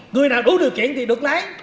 người nào đủ điều kiện thì được lái